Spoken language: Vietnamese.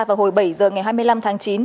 vào hồi bảy giờ ngày hai mươi năm tháng chín